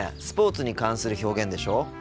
スポーツに関する表現でしょ